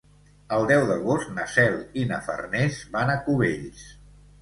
El deu d'agost na Cel i na Farners van a Cubells.